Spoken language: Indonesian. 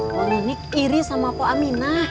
poh nunik iri sama poh aminah